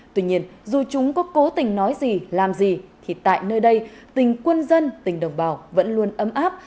tuy nhiên dù chúng có cố tình nói gì làm gì thì tại nơi đây tình quân dân tình đồng bào vẫn luôn ấm áp